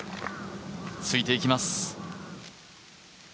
ついて行きます。